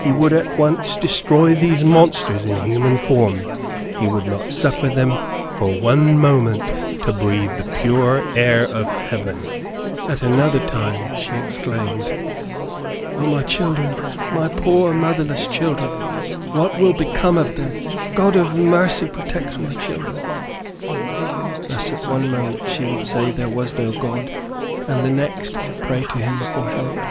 He would at once destroy these monsters in human form; he would not suffer them, for one moment, to breathe the pure air of heaven." At another time she exclaimed, "O, my children! my poor motherless children! What will become of them? God of mercy, protect my children!" Thus, at one moment, she would say there was no God, and the next, pray to him for help.